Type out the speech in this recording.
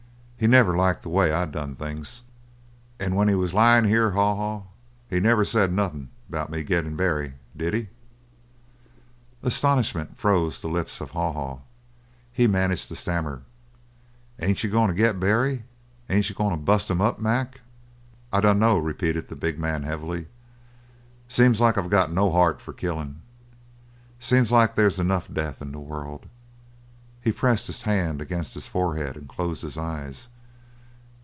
He never liked the way I done things. And when he was lyin' here, Haw Haw, he never said nothin' about me gettin' Barry. Did he?" Astonishment froze the lips of Haw Haw. He managed to stammer: "Ain't you going to get Barry? Ain't you goin' to bust him up, Mac?" "I dunno," repeated the big man heavily. "Seems like I've got no heart for killing. Seems like they's enough death in the world." He pressed his hand against his forehead and closed his eyes.